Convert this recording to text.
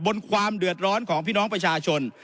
ความเดือดร้อนของพี่น้องประชาชน